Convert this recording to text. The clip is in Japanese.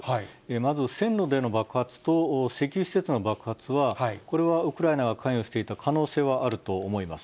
まず線路での爆発と石油施設の爆発は、これはウクライナが関与していた可能性はあると思います。